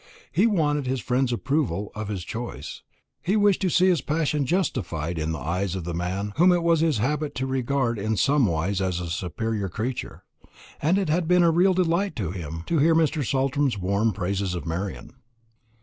He wanted his friend's approval of his choice; he wished to see his passion justified in the eyes of the man whom it was his habit to regard in somewise as a superior creature; and it had been a real delight to him to hear Mr. Saltram's warm praises of Marian.